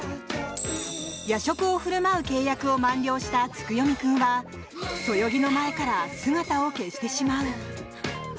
夜食を振る舞う契約を満了した月読君はそよぎの前から姿を消してしまう。